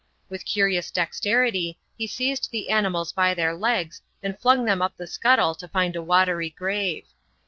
With curious dexterity he seized the animals by their legs, and flung them up the scuttle to find a watery grave.